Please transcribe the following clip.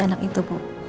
anak itu bu